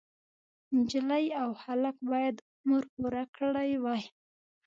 نجلۍ او هلک باید عمر پوره کړی وای.